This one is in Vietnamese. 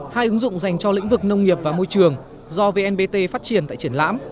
hai ứng dụng dành cho lĩnh vực nông nghiệp và môi trường do vnpt phát triển tại triển lãm